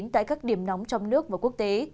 tại các điểm nóng trong nước và quốc tế